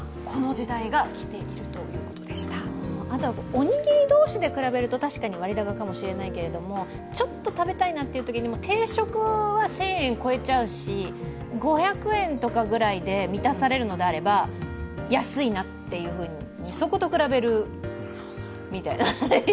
おにぎり同士で比べると確かに割高かもしれないけれども、ちょっと食べたいなというときに、定食は１０００円超えちゃうし、５００円とかぐらいで満たされるのであれば安いなっていうふうにそこと比べるみたいな。